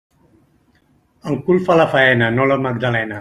El cul fa la faena, no la Magdalena.